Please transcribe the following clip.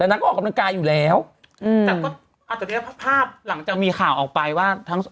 เด็ดนักกลัวกำลังกายอยู่แล้วอัตโดเตภาพหลังจากมีข่าวออกไปว่า